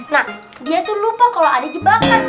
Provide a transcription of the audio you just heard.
nah dia tuh lupa kalau ada jebakan